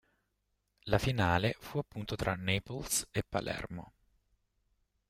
La finale fu appunto tra Naples e Palermo.